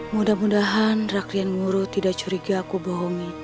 mudah mudahan rakhrian wuru tidak curiga aku bohongi